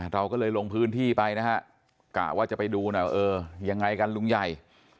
เราก็เลยลงพื้นที่ไปนะฮะกะว่าจะไปดูหน่อยว่าเออยังไงกันลุงใหญ่